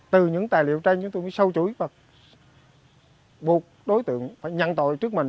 từ những tài liệu tranh chúng tôi mới sâu chuỗi và buộc đối tượng phải nhận tội trước mình